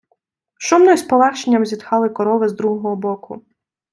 Шумно й з полегшенням зітхали корови з другого боку.